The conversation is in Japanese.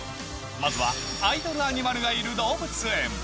まずはアイドルアニマルがいる動物園。